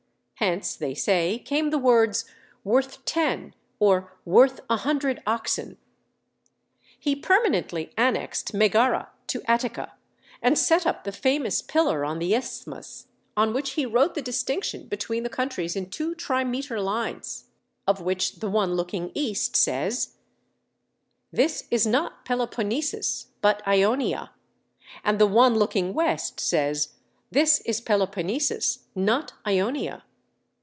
Hence, they say, came the words, "worth ten," or "worth a hundred oxen." He permanently annexed Megara to Attica, and set up the famous pillar on the Isthmus, on which he wrote the distinction between the countries in two trimeter lines, of which the one looking east says, "This is not Peloponnesus, but Ionia, and the one looking west says, "This is Peloponnesus, not Ionia."